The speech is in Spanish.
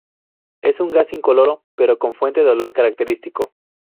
Es un gas incoloro pero con fuerte olor característico.